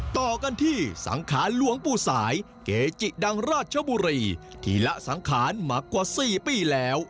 ต่อกันที่สังขารหลวงปู่สายเกจิดังราชบุรีที่ละสังขารมากว่า๔ปีแล้ว